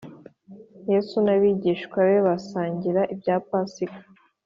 Yesu n’abigishwa be basangira ibya Pasika